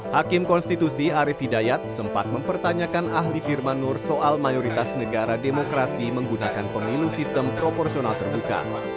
hakim konstitusi arief hidayat sempat mempertanyakan ahli firman nur soal mayoritas negara demokrasi menggunakan pemilu sistem proporsional terbuka